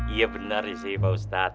iya benar sih pak ustadz